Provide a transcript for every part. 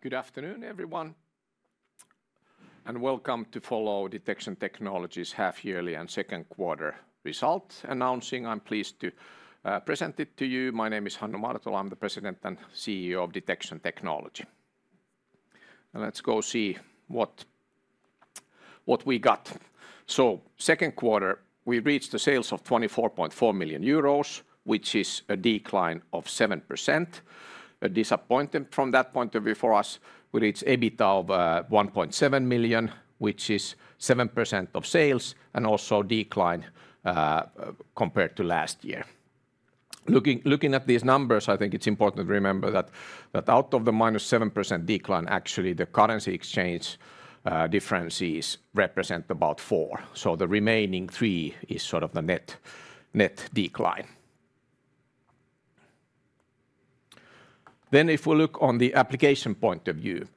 Good afternoon, everyone, and welcome to follow Detection Technology's Half-Yearly and Second-Quarter Results Announcing. I'm pleased to present it to you. My name is Hannu Martola. I'm the President and CEO of Detection Technology. Let's go see what we got. Second quarter, we reached the sales of 24.4 million euros, which is a decline of 7%. A disappointment from that point of view for us. We reached EBITDA of 1.7 million, which is 7% of sales, and also a decline compared to last year. Looking at these numbers, I think it's important to remember that out of the -7% decline, actually the currency exchange differences represent about 4%. The remaining 3% is sort of the net decline. If we look on the application point of view,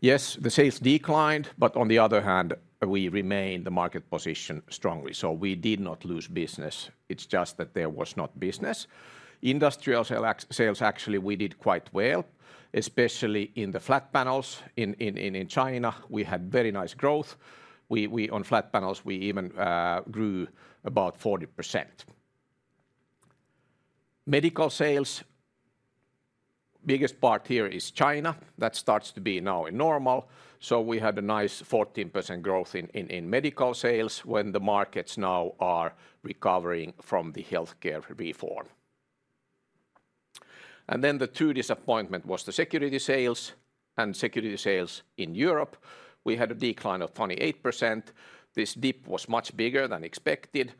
yes, the sales declined, but on the other hand, we remain in the market position strongly. We did not lose business. It's just that there was not business. Industrial sales, actually, we did quite well, especially in the flat panels. In China, we had very nice growth. On flat panels, we even grew about 40%. Medical sales, the biggest part here is China. That starts to be now normal. We had a nice 14% growth in medical sales when the markets now are recovering from the healthcare reform. The true disappointment was the security sales, and security sales in Europe. We had a decline of 28%. This dip was much bigger than expected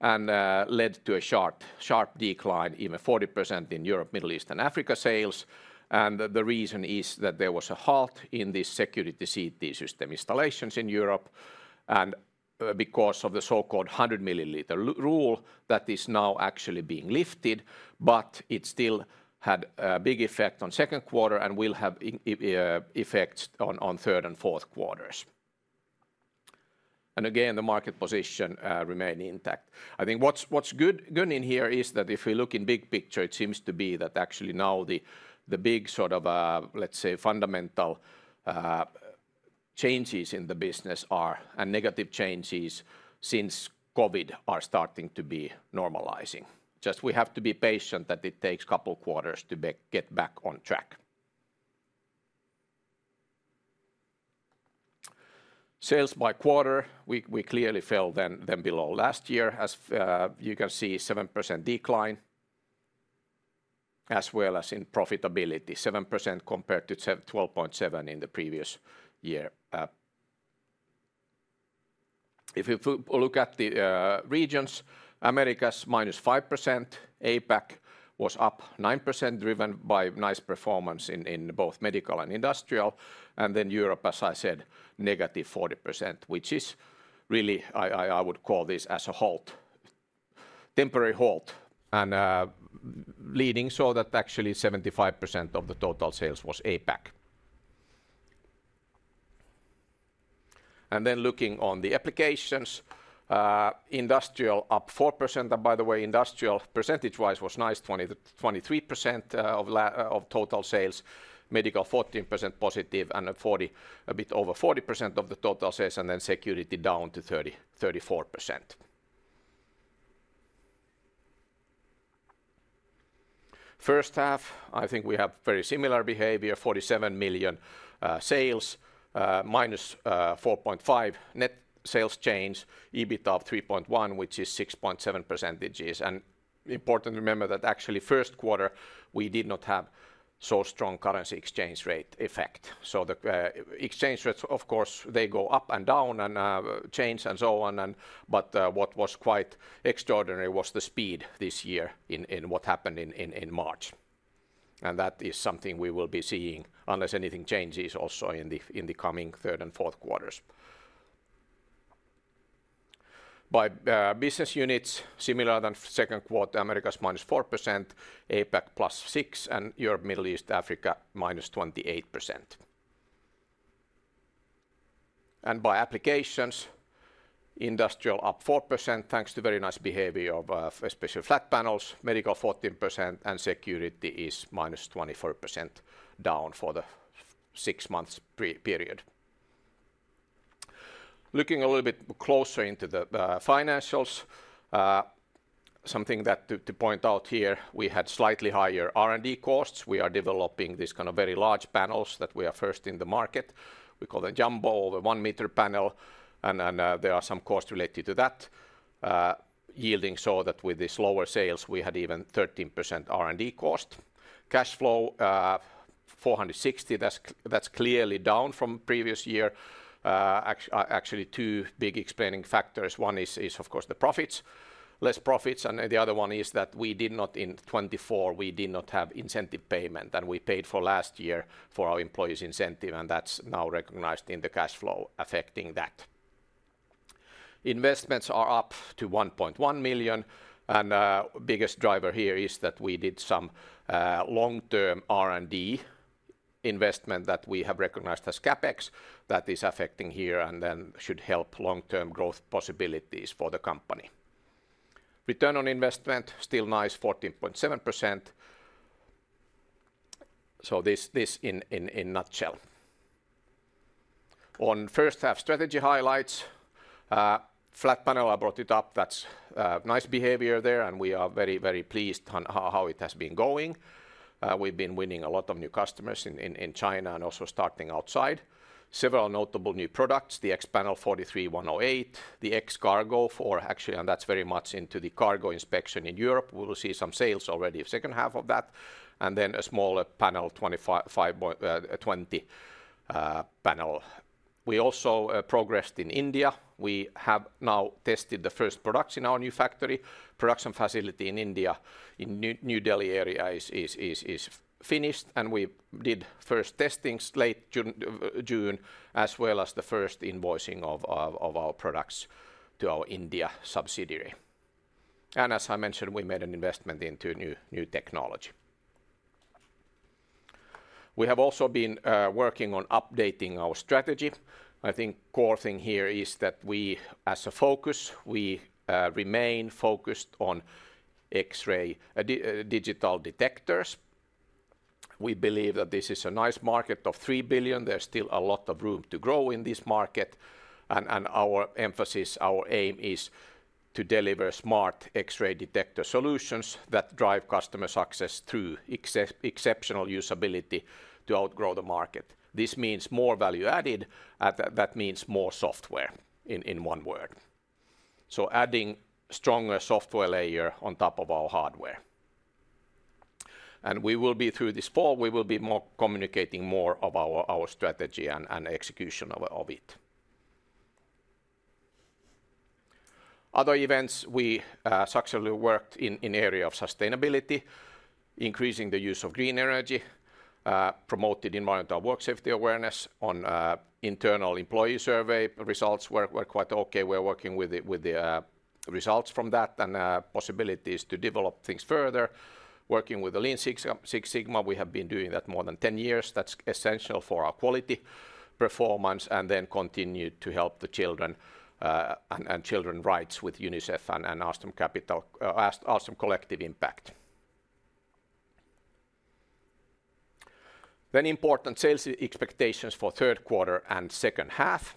and led to a sharp decline, even 40% in Europe, Middle East, and Africa sales. The reason is that there was a halt in the security CT system installations in Europe because of the so-called 100 mm rule that is now actually being lifted, but it still had a big effect on the second quarter and will have effects on the third and fourth quarters. Again, the market position remained intact. I think what's good in here is that if we look in the big picture, it seems to be that actually now the big sort of, let's say, fundamental changes in the business or negative changes since COVID are starting to be normalizing. We just have to be patient that it takes a couple of quarters to get back on track. Sales by quarter, we clearly fell then below last year, as you can see, a 7% decline as well as in profitability, 7% compared to 12.7% in the previous year. If we look at the regions, Americas -5%, APAC was up 9% driven by nice performance in both medical and industrial. Europe, as I said, negative 40%, which is really, I would call this as a halt, temporary halt, leading so that actually 75% of the total sales was APAC. Looking on the applications, industrial up 4%. By the way, industrial percentage-wise was nice, 23% of total sales, medical 14% positive, and a bit over 40% of the total sales, and security down to 34%. First half, I think we have very similar behavior, $47 million sales, -4.5% net sales change, EBITDA of $3.1 million, which is 6.7%. Important to remember that actually first quarter, we did not have so strong currency exchange rate effect. The exchange rates, of course, they go up and down and change and so on. What was quite extraordinary was the speed this year in what happened in March. That is something we will be seeing unless anything changes also in the coming third and fourth quarters. By business units, similar than second quarter, Americas -4%, APAC +6%, and Europe, Middle East, Africa -28%. By applications, industrial up 4% thanks to very nice behavior of especially flat panels, medical 14%, and security is -24% down for the six-month period. Looking a little bit closer into the financials, something to point out here, we had slightly higher R&D costs. We are developing these kind of very large panels that we are first in the market. We call them jumbo, the one-meter panel, and there are some costs related to that, yielding so that with these lower sales, we had even 13% R&D cost. Cash flow, $460,000, that's clearly down from the previous year. Actually, two big explaining factors. One is, of course, the profits, less profits, and the other one is that we did not, in 2024, we did not have incentive payment, and we paid for last year for our employees' incentive, and that's now recognized in the cash flow affecting that. Investments are up to $1.1 million, and the biggest driver here is that we did some long-term R&D investment that we have recognized as CapEx that is affecting here and should help long-term growth possibilities for the company. Return on investment still nice, 14.7%. This in a nutshell. On first half strategy highlights, flat panel, I brought it up, that's nice behavior there, and we are very, very pleased on how it has been going. We've been winning a lot of new customers in China and also starting outside. Several notable new products, the X-Panel 43108, the X-Cargo for actually, and that's very much into the cargo inspection in Europe. We will see some sales already in the second half of that, and then a smaller panel, 20. We also progressed in India. We have now tested the first production in our new factory. Production facility in India, in the New Delhi area, is finished, and we did first testing late June as well as the first invoicing of our products to our India subsidiary. As I mentioned, we made an investment into new technology. We have also been working on updating our strategy. I think the core thing here is that we, as a focus, remain focused on X-ray digital detectors. We believe that this is a nice market of $3 billion. There's still a lot of room to grow in this market, and our emphasis, our aim is to deliver smart X-ray detector solutions that drive customer success through exceptional usability to outgrow the market. This means more value added, and that means more software in one word. Adding a stronger software layer on top of our hardware. We will be through this fall, we will be communicating more about our strategy and execution of it. Other events, we successfully worked in the area of sustainability, increasing the use of green energy, promoted environmental work safety awareness on internal employee survey. Results were quite okay. We're working with the results from that and possibilities to develop things further. Working with the Lean Six Sigma, we have been doing that more than 10 years. That's essential for our quality performance and continue to help the children and children's rights with UNICEF and Awesome Collective Impact. Important sales expectations for third quarter and second half.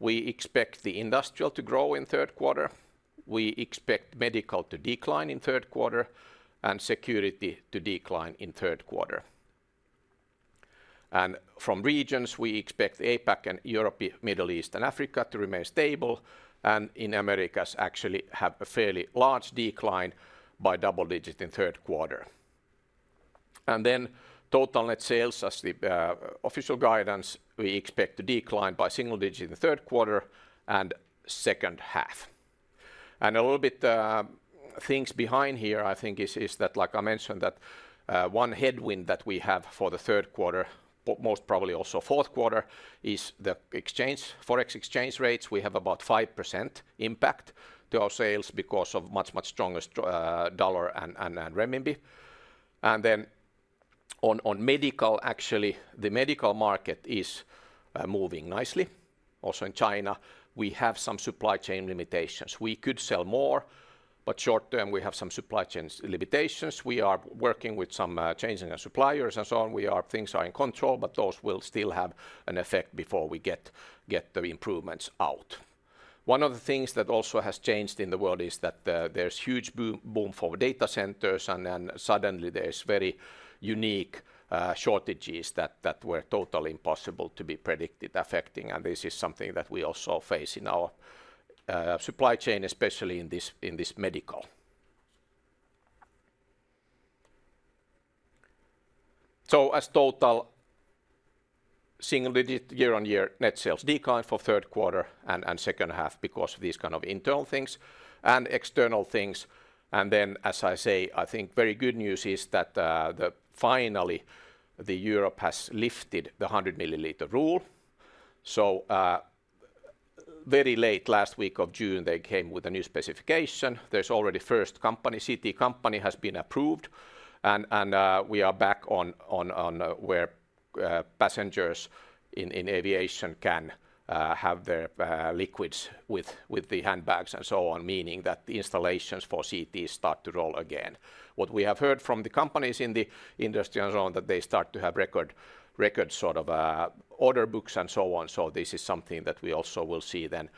We expect the industrial to grow in third quarter. We expect medical to decline in third quarter and security to decline in third quarter. From regions, we expect APAC and Europe, Middle East, and Africa to remain stable and in America actually have a fairly large decline by double digits in third quarter. Total net sales, as the official guidance, we expect to decline by single digits in third quarter and second half. A little bit of things behind here, I think, is that, like I mentioned, that one headwind that we have for the third quarter, most probably also fourth quarter, is the forex exchange rates. We have about 5% impact to our sales because of much, much stronger dollar and renminbi. On medical, actually, the medical market is moving nicely. Also in China, we have some supply chain limitations. We could sell more, but short term, we have some supply chain limitations. We are working with some changing suppliers and so on. Things are in control, but those will still have an effect before we get the improvements out. One of the things that also has changed in the world is that there's a huge boom for data centers, and then suddenly there's very unique shortages that were totally impossible to be predicted affecting, and this is something that we also face in our supply chain, especially in this medical. As total, single digit year-on-year net sales decline for third quarter and second half because of these kind of internal things and external things. I think very good news is that finally Europe has lifted the 100 mm rule. Very late last week of June, they came with a new specification. There's already the first company, city company, has been approved, and we are back on where passengers in aviation can have their liquids with the handbags and so on, meaning that the installations for CT start to roll again. What we have heard from the companies in the industry and so on is that they start to have record sort of order books and so on. This is something that we also will see then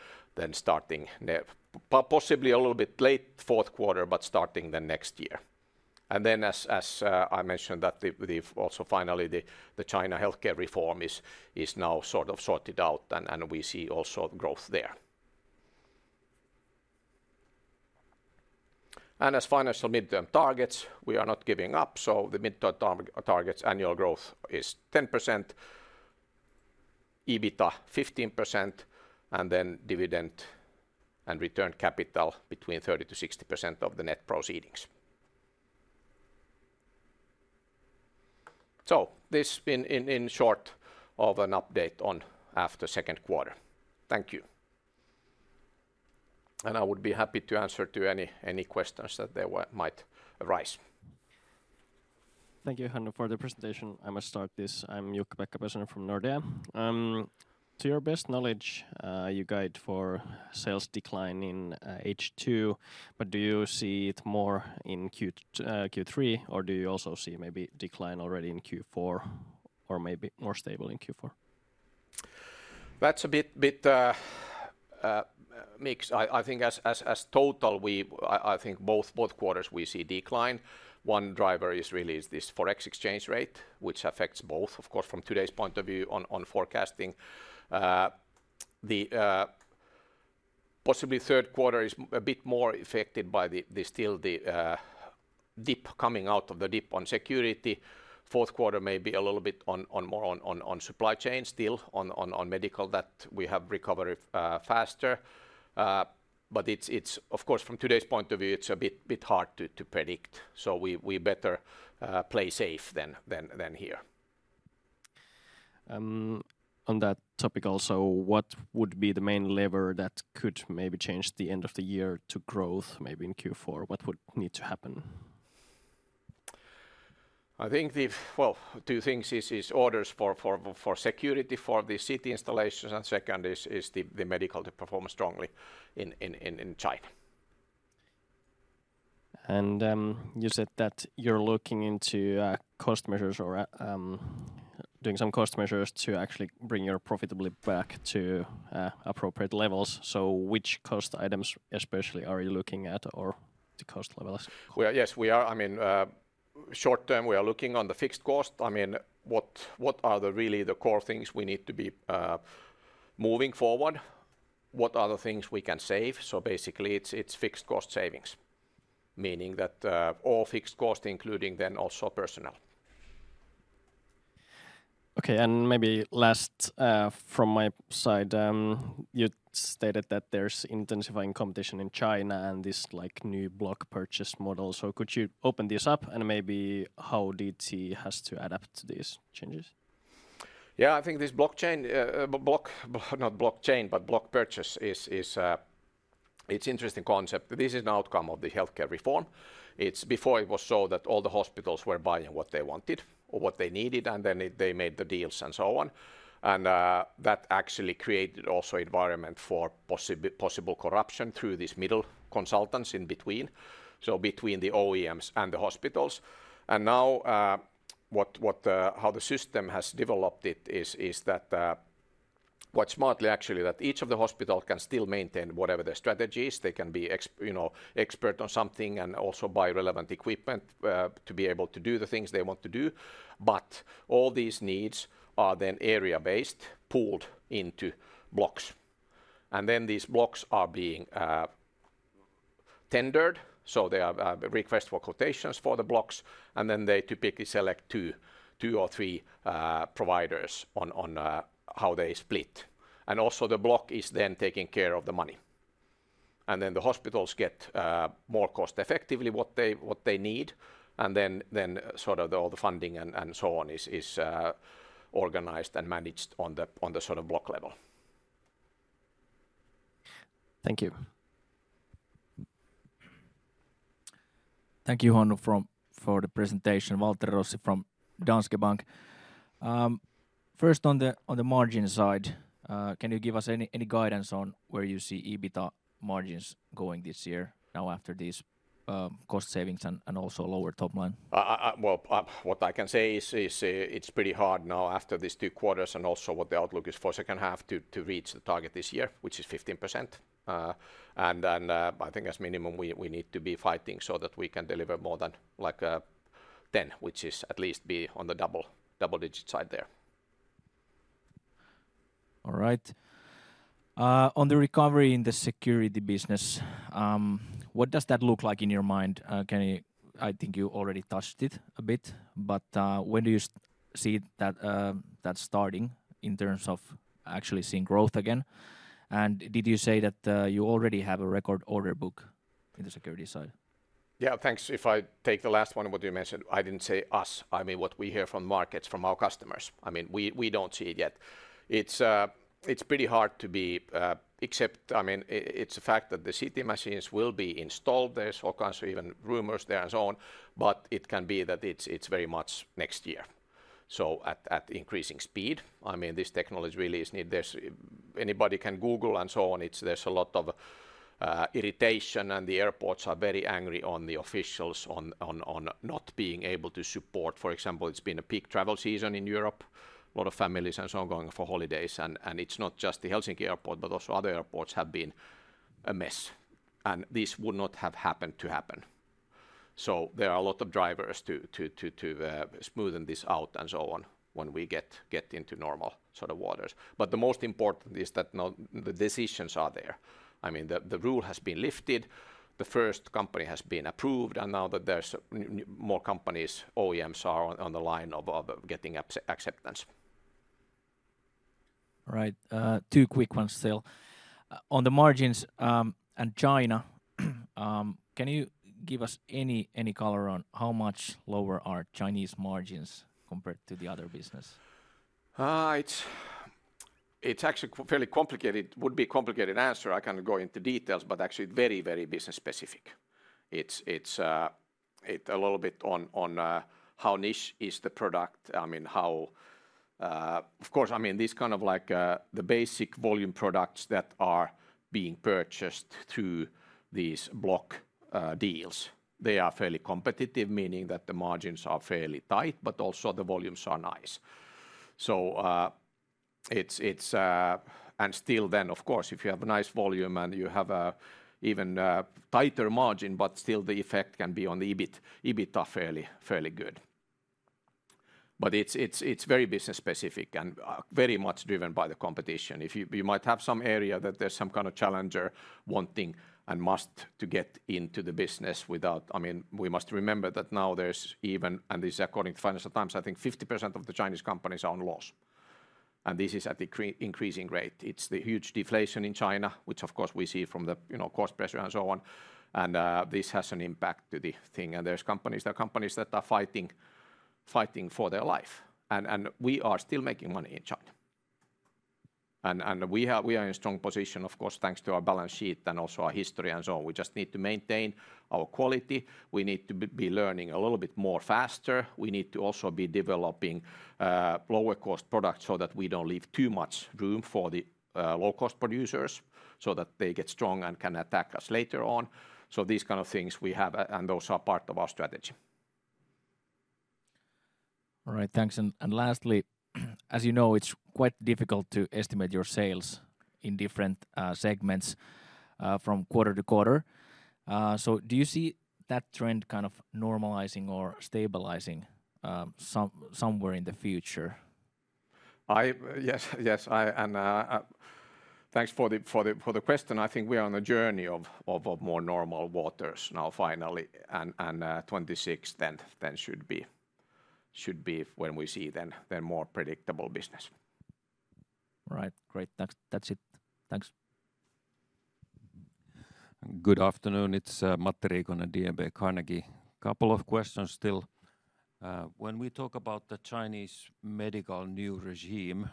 starting possibly a little bit late fourth quarter, but starting the next year. As I mentioned, also finally the China healthcare reform is now sort of sorted out, and we see also growth there. As financial midterm targets, we are not giving up. The midterm targets, annual growth is 10%, EBITDA 15%, and then dividend and return capital between 30%-60% of the net proceedings. This has been in short of an update on after second quarter. Thank you. I would be happy to answer to any questions that they might arise. Thank you, Hannu, for the presentation. I must start this. I'm Jukka-Pekka Pesonen from Nordea. To your best knowledge, you guide for sales decline in H2, but do you see it more in Q3, or do you also see maybe decline already in Q4, or maybe more stable in Q4? That's a bit mixed. I think as total, I think both quarters we see decline. One driver is really this forex exchange rate, which affects both, of course, from today's point of view on forecasting. Possibly third quarter is a bit more affected by the dip coming out of the dip on security. Fourth quarter may be a little bit more on supply chain, still on medical that we have recovered faster. It's, of course, from today's point of view, it's a bit hard to predict. We better play safe than here. On that topic also, what would be the main lever that could maybe change the end of the year to growth, maybe in Q4? What would need to happen? I think two things. This is orders for security for the CT installations, and second is the medical that performs strongly in China. You said that you're looking into cost measures or doing some cost measures to actually bring your profitability back to appropriate levels. Which cost items especially are you looking at or the cost levels? Yes, we are. I mean, short term, we are looking on the fixed cost. I mean, what are really the core things we need to be moving forward? What are the things we can save? Basically, it's fixed cost savings, meaning that all fixed costs, including then also personnel. Okay, maybe last from my side, you stated that there's intensifying competition in China and this new block purchase model. Could you open this up and maybe how DT has to adapt to these changes? Yeah, I think this block purchase, it's an interesting concept. This is an outcome of the healthcare reform. Before, it was so that all the hospitals were buying what they wanted, what they needed, and they made the deals and so on. That actually created also an environment for possible corruption through these middle consultants in between, so between the OEMs and the hospitals. Now how the system has developed is that, what's smartly actually, each of the hospitals can still maintain whatever their strategy is. They can be expert on something and also buy relevant equipment to be able to do the things they want to do. All these needs are then area-based, pooled into blocks. These blocks are being tendered, so they have requests for quotations for the blocks, and they typically select two or three providers on how they split. Also, the block is then taking care of the money. The hospitals get more cost-effectively what they need, and all the funding and so on is organized and managed on the block level. Thank you. Thank you, Hannu, for the presentation. Waltteri Rossi from Danske Bank. First, on the margin side, can you give us any guidance on where you see EBITDA margins going this year now after these cost savings and also lower top line? It's pretty hard now after these two quarters and also what the outlook is for the second half to reach the target this year, which is 15%. I think as minimum we need to be fighting so that we can deliver more than like a 10%, which is at least be on the double digit side there. All right. On the recovery in the security business, what does that look like in your mind? I think you already touched it a bit, but when do you see that starting in terms of actually seeing growth again? Did you say that you already have a record order book in the security side? Yeah, thanks. If I take the last one, what you mentioned, I didn't say us. I mean, what we hear from markets, from our customers. I mean, we don't see it yet. It's pretty hard to be, except I mean, it's a fact that the CT machines will be installed there, so can't say even rumors there and so on, but it can be that it's very much next year. At increasing speed, I mean, this technology really is needed. Anybody can Google and so on. There's a lot of irritation, and the airports are very angry on the officials on not being able to support. For example, it's been a peak travel season in Europe. A lot of families and so on going for holidays, and it's not just the Helsinki airport, but also other airports have been a mess. This would not have happened. There are a lot of drivers to smoothen this out and so on when we get into normal sort of waters. The most important is that the decisions are there. I mean, the rule has been lifted, the first company has been approved, and now that there's more companies, OEMs are on the line of getting acceptance. All right. Two quick ones still. On the margins and China, can you give us any color on how much lower are Chinese margins compared to the other business? It's actually a fairly complicated, would be a complicated answer. I can't go into details, but actually very, very business specific. It's a little bit on how niche is the product. I mean, of course, I mean, these kind of like the basic volume products that are being purchased through these block deals, they are fairly competitive, meaning that the margins are fairly tight, but also the volumes are nice. Still, if you have a nice volume and you have an even tighter margin, the effect can be on EBITDA fairly good. It's very business specific and very much driven by the competition. If you might have some area that there's some kind of challenger wanting and must to get into the business without, I mean, we must remember that now there's even, and this is according to Financial Times, I think 50% of the Chinese companies are on loss. This is at the increasing rate. It's the huge deflation in China, which of course we see from the cost pressure and so on. This has an impact to the thing. There are companies that are fighting for their life. We are still making money in China. We are in a strong position, of course, thanks to our balance sheet and also our history and so on. We just need to maintain our quality. We need to be learning a little bit more faster. We need to also be developing lower cost products so that we don't leave too much room for the low cost producers so that they get strong and can attack us later on. These kind of things we have, and those are part of our strategy. All right, thanks. Lastly, as you know, it's quite difficult to estimate your sales in different segments from quarter to quarter. Do you see that trend kind of normalizing or stabilizing somewhere in the future? Yes, yes. Thanks for the question. I think we are on a journey of more normal waters now finally. 2026 then should be when we see more predictable business. All right, great. That's it. Thanks. Good afternoon. It's Matti Riikonen at DNB Carnegie. A couple of questions still. When we talk about the Chinese medical new regime,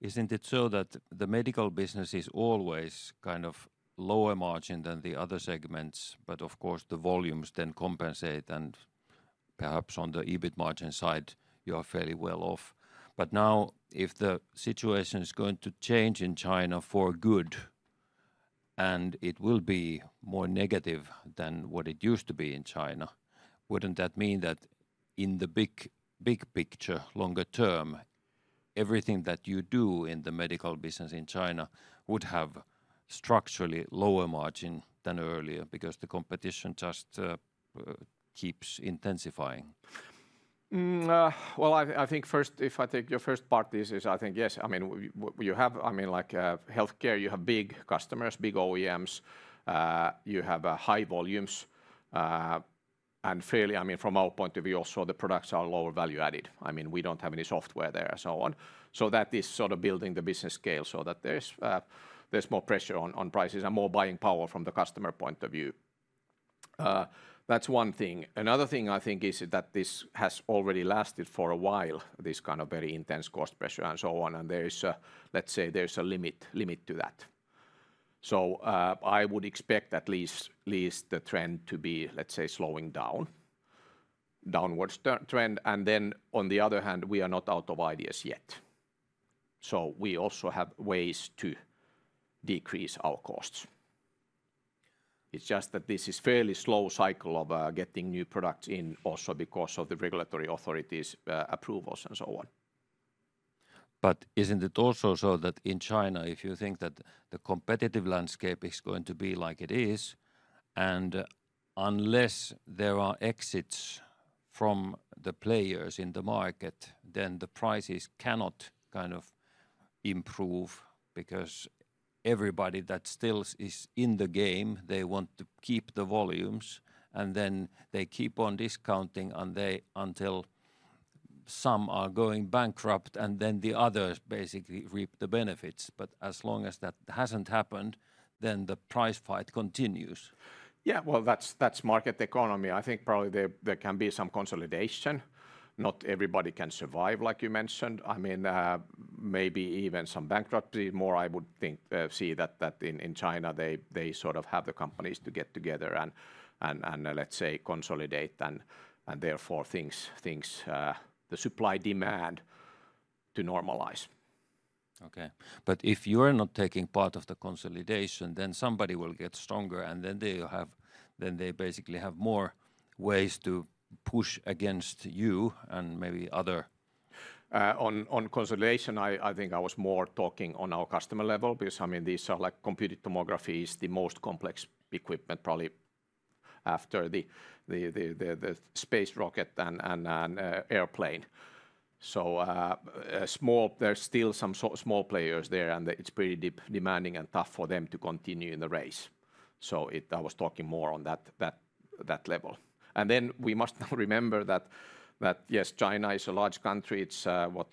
isn't it so that the medical business is always kind of lower margin than the other segments, but of course the volumes then compensate, and perhaps on the EBIT margin side you are fairly well off. Now if the situation is going to change in China for good, and it will be more negative than what it used to be in China, wouldn't that mean that in the big picture, longer term, everything that you do in the medical business in China would have structurally lower margin than earlier because the competition just keeps intensifying? I think first, if I take your first part, this is, I think, yes. I mean, you have, like healthcare, you have big customers, big OEMs, you have high volumes, and fairly, I mean, from our point of view, also the products are lower value added. I mean, we don't have any software there and so on. That is sort of building the business scale so that there's more pressure on prices and more buying power from the customer point of view. That's one thing. Another thing I think is that this has already lasted for a while, this kind of very intense cost pressure and so on, and there is, let's say, there's a limit to that. I would expect at least the trend to be, let's say, slowing down, downwards trend, and then on the other hand, we are not out of ideas yet. We also have ways to decrease our costs. It's just that this is a fairly slow cycle of getting new products in also because of the regulatory authorities' approvals and so on. Isn't it also so that in China, if you think that the competitive landscape is going to be like it is, and unless there are exits from the players in the market, the prices cannot kind of improve because everybody that still is in the game wants to keep the volumes, and they keep on discounting until some are going bankrupt, and the others basically reap the benefits. As long as that hasn't happened, the price fight continues. Yeah, that's market economy. I think probably there can be some consolidation. Not everybody can survive, like you mentioned. I mean, maybe even some bankruptcy. I would think more see that in China. They sort of have the companies get together and, let's say, consolidate, and therefore things, the supply and demand, normalize. If you're not taking part of the consolidation, then somebody will get stronger, and they basically have more ways to push against you and maybe other. On consolidation, I think I was more talking on our customer level because, I mean, these are like CT systems, the most complex equipment probably after the space rocket and airplane. There are still some small players there, and it's pretty demanding and tough for them to continue in the race. I was talking more on that level. We must now remember that, yes, China is a large country. It's what,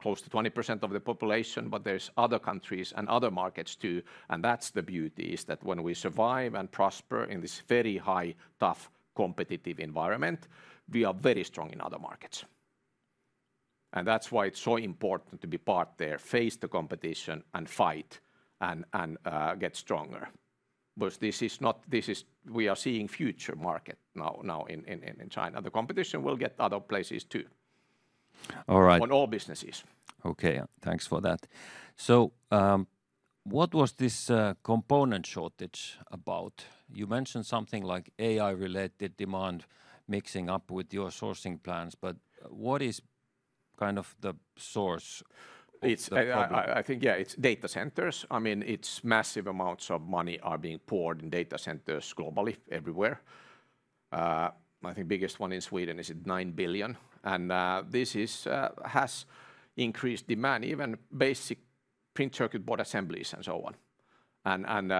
close to 20% of the population, but there are other countries and other markets too. The beauty is that when we survive and prosper in this very high, tough competitive environment, we are very strong in other markets. That is why it's so important to be part there, face the competition, fight, and get stronger. This is not, we are seeing future market now in China. The competition will get other places too. All right. On all businesses. Thanks for that. What was this component shortage about? You mentioned something like AI-related demand mixing up with your sourcing plans, but what is kind of the source? I think, yeah, it's data centers. I mean, massive amounts of money are being poured in data centers globally, everywhere. I think the biggest one in Sweden is at $9 billion. This has increased demand, even basic print circuit board assemblies and so on.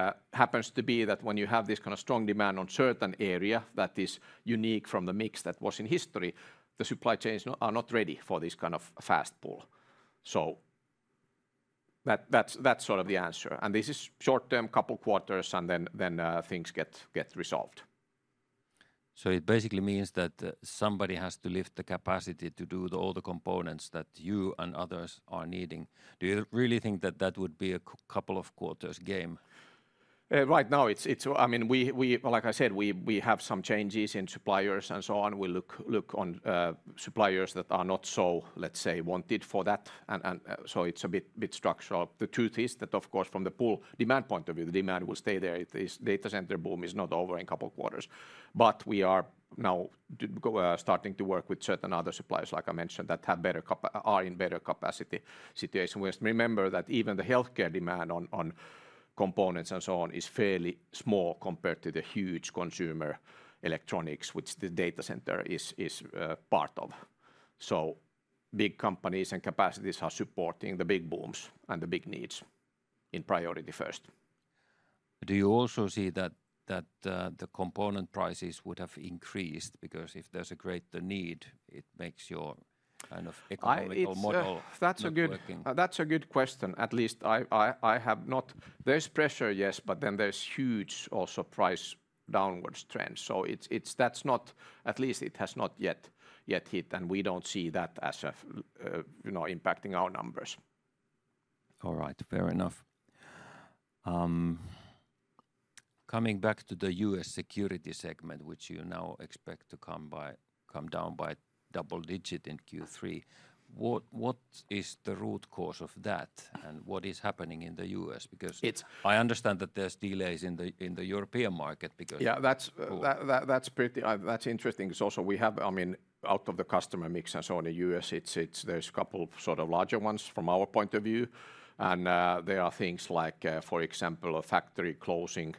It happens to be that when you have this kind of strong demand on certain areas that is unique from the mix that was in history, the supply chains are not ready for this kind of fast pull. That's sort of the answer. This is short term, a couple of quarters, and then things get resolved. It basically means that somebody has to lift the capacity to do all the components that you and others are needing. Do you really think that that would be a couple of quarters game? Right now, it's, I mean, like I said, we have some changes in suppliers and so on. We look on suppliers that are not so, let's say, wanted for that. It's a bit structural. The truth is that, of course, from the pool demand point of view, the demand will stay there. This data center boom is not over in a couple of quarters. We are now starting to work with certain other suppliers, like I mentioned, that are in better capacity situations. We must remember that even the healthcare demand on components and so on is fairly small compared to the huge consumer electronics, which the data center is part of. Big companies and capacities are supporting the big booms and the big needs in priority first. Do you also see that the component prices would have increased because if there's a greater need, it makes your kind of economical model. That's a good question. At least I have not, there's pressure, yes, but then there's also a huge price downwards trend. That's not, at least it has not yet hit, and we don't see that as impacting our numbers. All right, fair enough. Coming back to the U.S. security segment, which you now expect to come down by double digit in Q3, what is the root cause of that and what is happening in the U.S.? Because I understand that there's delays in the European market because. Yeah, that's pretty, that's interesting. Out of the customer mix and so on in the U.S., there's a couple of sort of larger ones from our point of view. There are things like, for example, a factory closing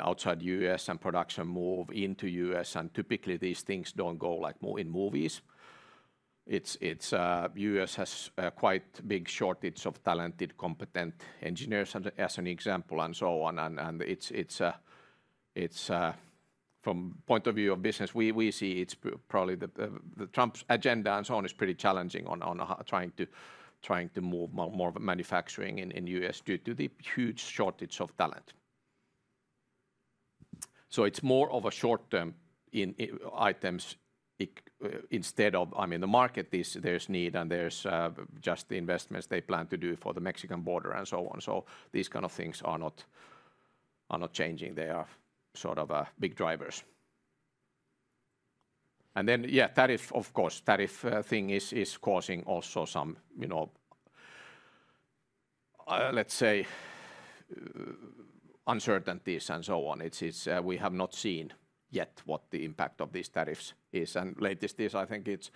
outside the U.S. and production moving into the U.S. Typically, these things don't go like in movies. The U.S. has quite a big shortage of talented, competent engineers as an example and so on. From the point of view of business, we see it's probably the Trump's agenda and so on is pretty challenging on trying to move more manufacturing in the U.S. due to the huge shortage of talent. It's more of a short-term item instead of, I mean, the market is there's need and there's just the investments they plan to do for the Mexican border and so on. These kind of things are not changing. They are sort of big drivers. Tariff, of course, the tariff thing is causing also some, you know, let's say uncertainties and so on. We have not seen yet what the impact of these tariffs is. Latest is, I think it's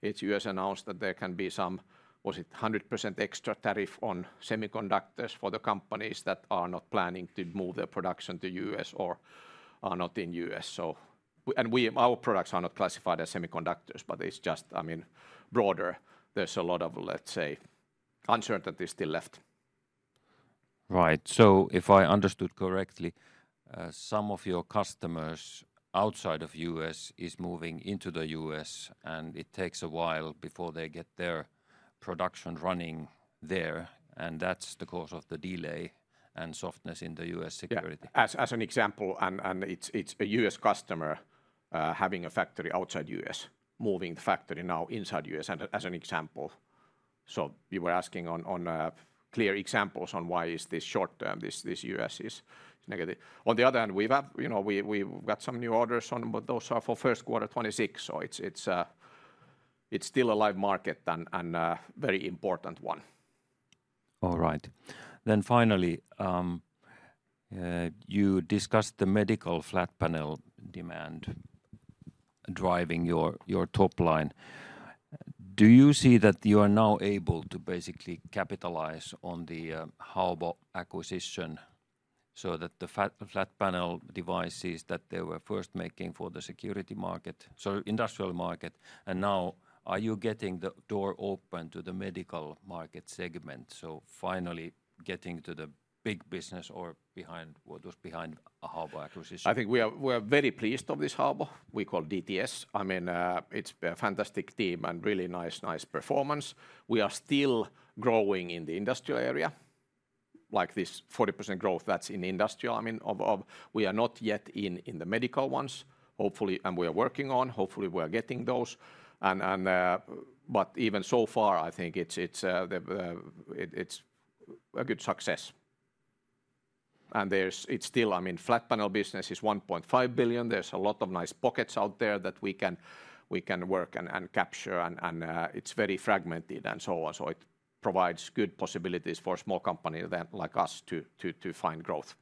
the U.S. announced that there can be some, was it 100% extra tariff on semiconductors for the companies that are not planning to move their production to the U.S. or are not in the U.S. Our products are not classified as semiconductors, but it's just, I mean, broader. There's a lot of, let's say, uncertainty still left. Right. If I understood correctly, some of your customers outside of the U.S. are moving into the U.S., and it takes a while before they get their production running there. That's the cause of the delay and softness in the U.S. security. As an example, it's a U.S. customer having a factory outside the U.S., moving the factory now inside the U.S., as an example. You were asking on clear examples on why is this short term, this U.S. is negative. On the other hand, we've got some new orders, but those are for first quarter 2026. It's still a live market and a very important one. All right. Finally, you discussed the medical flat panel demand driving your top line. Do you see that you are now able to basically capitalize on the Haobo acquisition so that the flat panel devices that they were first making for the security market, so industrial market, and now are you getting the door open to the medical market segment? Finally getting to the big business or behind what was behind Haobo acquisition. I think we are very pleased with this Haobo. We call DTS. I mean, it's a fantastic team and really nice performance. We are still growing in the industrial area, like this 40% growth that's in industrial. I mean, we are not yet in the medical ones. Hopefully, we are working on, hopefully we are getting those. Even so far, I think it's a good success. It's still, I mean, flat panel business is $1.5 billion. There's a lot of nice pockets out there that we can work and capture, and it's very fragmented and so on. It provides good possibilities for small companies like us to find growth.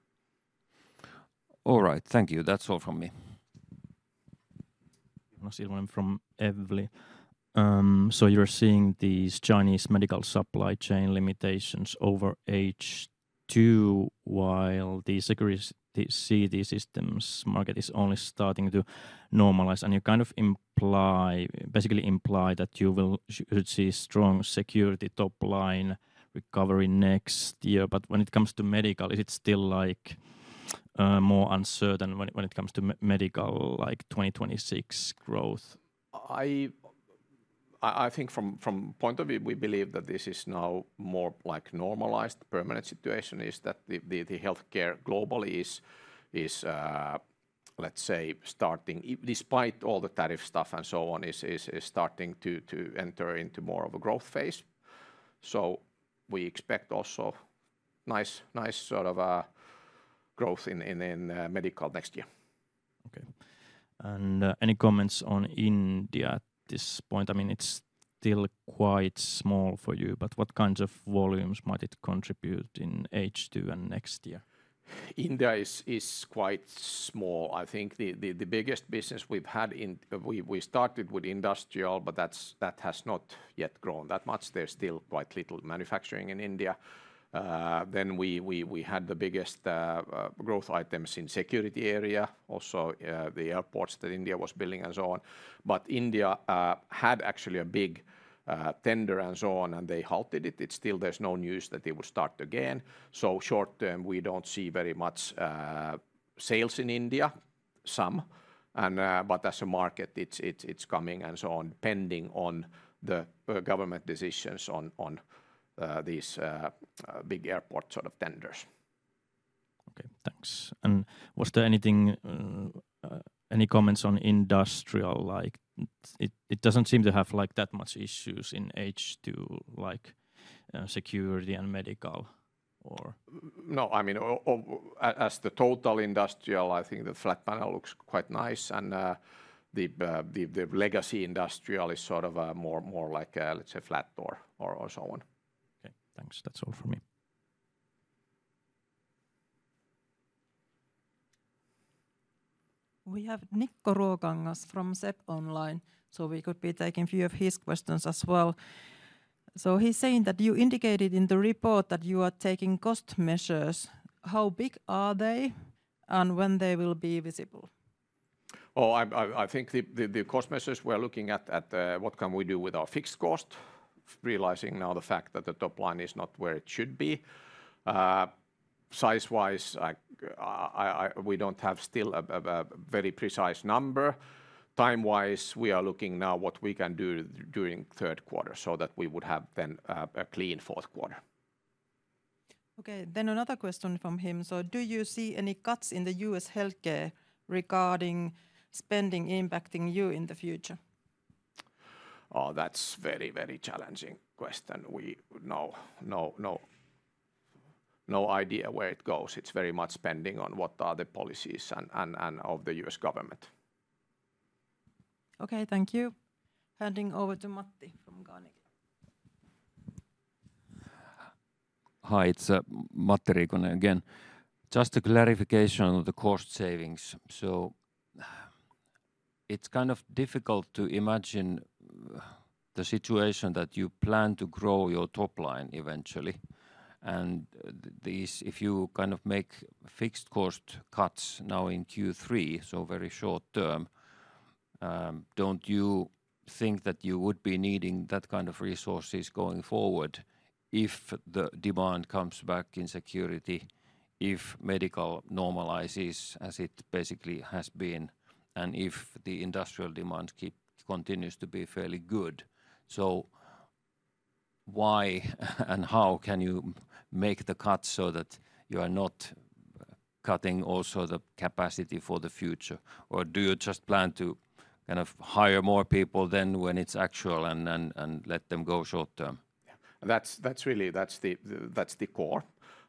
All right, thank you. That's all from me. [I see one from Evely]. You're seeing these Chinese medical supply chain limitations over H2 while the CT systems market is only starting to normalize. You basically imply that you will see strong security top line recovery next year. When it comes to medical, is it still more uncertain when it comes to medical like 2026 growth? I think from the point of view, we believe that this is now more like normalized. The permanent situation is that the healthcare globally is, let's say, starting, despite all the tariff stuff and so on, is starting to enter into more of a growth phase. We expect also nice sort of growth in medical next year. Okay. Any comments on India at this point? I mean, it's still quite small for you, but what kinds of volumes might it contribute in H2 and next year? India is quite small. I think the biggest business we've had, we started with industrial, but that has not yet grown that much. There's still quite little manufacturing in India. We had the biggest growth items in the security area, also the airports that India was building and so on. India had actually a big tender and they halted it. Still, there's no news that it would start again. Short term, we don't see very much sales in India, some, but as a market, it's coming, depending on the government decisions on these big airport sort of tenders. Thank you. Was there anything, any comments on industrial? It doesn't seem to have that much issues in H2, like security and medical. No, I mean, as the total industrial, I think the flat panel looks quite nice, and the legacy industrial is sort of more like, let's say, flat door or so on. Okay, thanks. That's all for me. We have [Nikko Roogangas from Zepp Online], so we could be taking a few of his questions as well. He's saying that you indicated in the report that you are taking cost measures. How big are they, and when will they be visible? I think the cost measures we are looking at, what can we do with our fixed cost, realizing now the fact that the top line is not where it should be. Size-wise, we don't have still a very precise number. Time-wise, we are looking now what we can do during third quarter so that we would have then a clean fourth quarter. Okay, do you see any cuts in the U.S. healthcare regarding spending impacting you in the future? That's a very, very challenging question. We have no idea where it goes. It's very much depending on what the policies of the U.S. government are. Okay, thank you. Handing over to Matti from DNB Carnegie. Hi, it's Matti Riikonen again. Just a clarification of the cost savings. It's kind of difficult to imagine the situation that you plan to grow your top line eventually. If you make fixed cost cuts now in Q3, very short term, don't you think that you would be needing that kind of resources going forward if the demand comes back in security, if medical normalizes as it basically has been, and if the industrial demand continues to be fairly good? Why and how can you make the cuts so that you are not cutting also the capacity for the future? Do you just plan to hire more people then when it's actual and let them go short term? That's really, that's the core.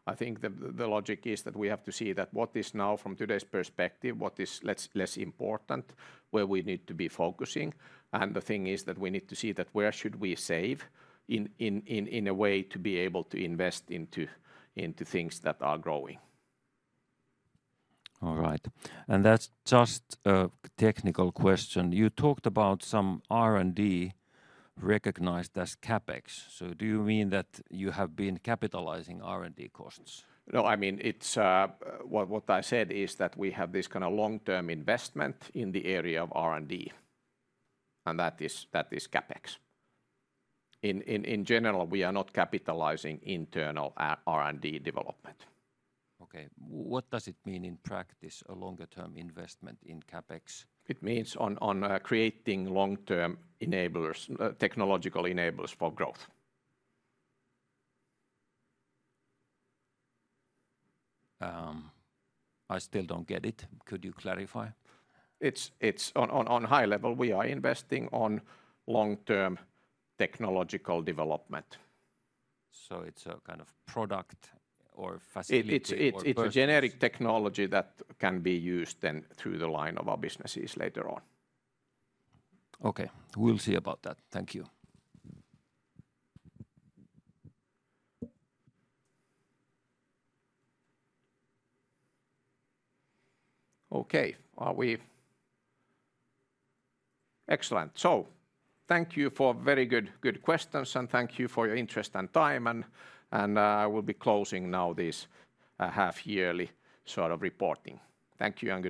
I think the logic is that we have to see what is now from today's perspective, what is less important, where we need to be focusing. The thing is that we need to see where we should save in a way to be able to invest into things that are growing. All right. That's just a technical question. You talked about some R&D recognized as CapEx. Do you mean that you have been capitalizing R&D costs? It's what I said is that we have this kind of long-term investment in the area of R&D, and that is CapEx. In general, we are not capitalizing internal R&D development. Okay. What does it mean in practice, a longer-term investment in CapEx? It means on creating long-term technological enablers for growth. I still don't get it. Could you clarify? It's on a high level. We are investing on long-term technological development. Is it a kind of product or facility? It's a generic technology that can be used through the line of our businesses later on. Thank you. Are we? Excellent. Thank you for very good questions and thank you for your interest and time. I will be closing now this half-yearly sort of reporting. Thank you, Hannu.